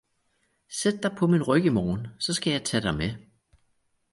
Sæt dig på min ryg i morgen, så skal jeg tage dig med.